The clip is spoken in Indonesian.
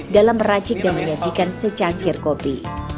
dalam meracik dan menyajikan secangkir kopi